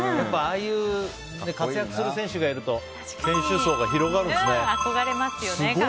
ああいう活躍する選手がいると選手層が広がるんですね。